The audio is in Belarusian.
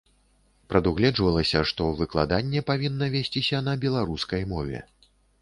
Прадугледжвалася, што выкладанне павінна весціся на беларускай мове.